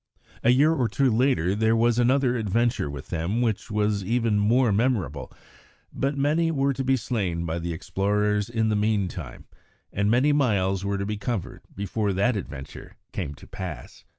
A year or two later there was another adventure with them which was even more memorable, but many were to be slain by the explorers in the meantime, and many miles were to be covered before that adventure came to pass.